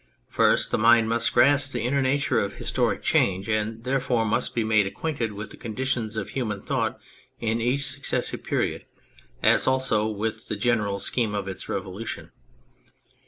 First, the mind must grasp the inner nature of historic change, and therefore must be made acquainted with the conditions of human thought in each successive period, as also with the general scheme of its revolution.